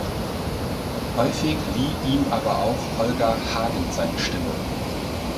Häufig lieh ihm aber auch Holger Hagen seine Stimme.